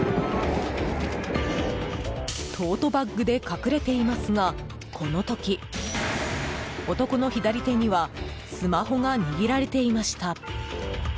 トートバッグで隠れていますがこの時、男の左手にはスマホが握られていました。